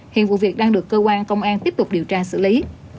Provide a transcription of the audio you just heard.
hiện vụ việc đang được cơ quan công an tiếp tục điều tra xử lý